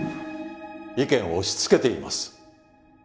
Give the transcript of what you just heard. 意見を押しつけています！